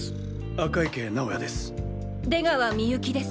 赤池直哉です。